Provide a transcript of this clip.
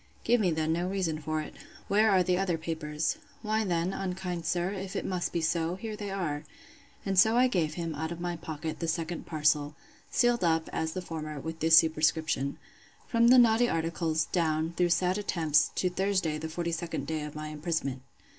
—Give me then no reason for it. Where are the other papers? Why, then, unkind sir, if it must be so, here they are. And so I gave him, out of my pocket, the second parcel, sealed up, as the former, with this superscription; From the naughty articles, down, through sad attempts, to Thursday the 42d day of my imprisonment.